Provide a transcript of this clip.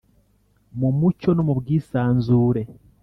mu mucyo no mu bwisanzure